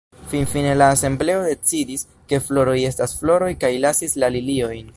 Finfine la asembleo decidis, ke floroj estas floroj kaj lasis la liliojn.